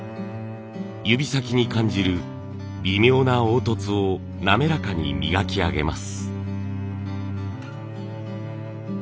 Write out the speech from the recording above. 指先に感じる微妙な凹凸を滑らかに磨き上げます。